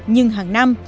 nhưng hàng năm